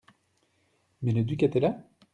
Mais le duc était là ?